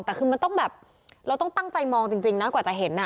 แต่คือมันต้องแบบเราต้องตั้งใจมองจริงนะกว่าจะเห็น